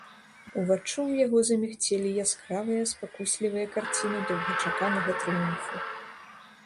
Уваччу ў яго замігцелі яскравыя спакуслівыя карціны доўгачаканага трыумфу.